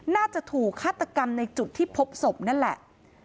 น่าจะถูกฆาตกรรมในจุดที่พบศพนั่นแหละ